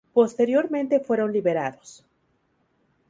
Posteriormente fueron liberados.